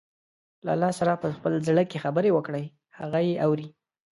له الله سره په خپل زړه کې خبرې وکړئ، هغه يې اوري.